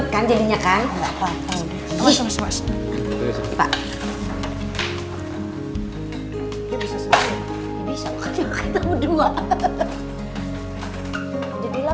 kan beneran tadi gue doang yang bawa